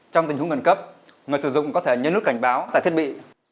trong tình huống khẩn cấp người sử dụng có thể nhấn nút cảnh báo tại thiết bị